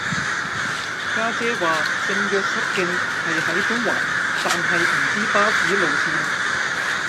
家姐話聖若瑟徑係喺中環但係唔知巴士路線